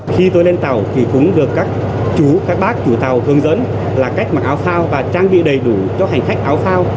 khi tôi lên tàu thì cũng được các chú các bác chủ tàu hướng dẫn là cách mặc áo phao và trang bị đầy đủ cho hành khách áo phao